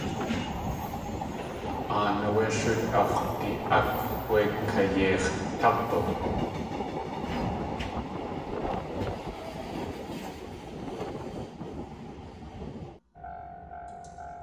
Aan áwé shóot ax̲wdi.ák wé kayeix̲tág̲u.